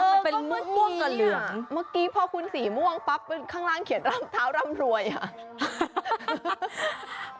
มันเป็นม่วงกับเหลืองเมื่อกี้พอคุณสีม่วงปั๊บข้างล่างเขียนร่ำเท้าร่ำรวยอ่ะ